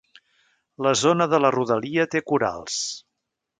La zona de la rodalia té corals.